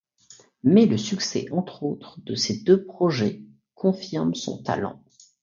Mais le succès, entre autres, de ces deux projets confirme son talent.